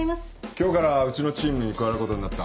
今日からうちのチームに加わることになった。